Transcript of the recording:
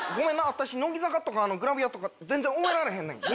私乃木坂とかグラビアとか全然覚えられへんねん。